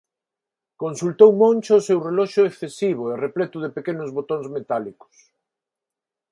Consultou Moncho o seu reloxo excesivo e repleto de pequenos botóns metálicos.